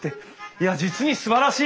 いや実にすばらしい！